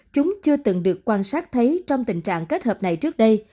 chúng chưa từng được quan sát thấy trong tình trạng kết hợp này trước đây